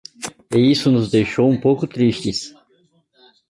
E isso nos deixou um pouco tristes.